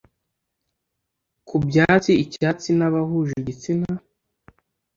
Kubyatsi icyatsi nabahuje igitsina